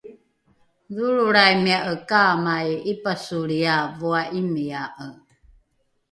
dholrolraimia’e kaamai ’ipasolria voa’imia’e